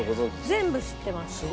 全部知ってます。